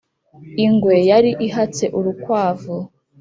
ingwe yari ihatse urukwavu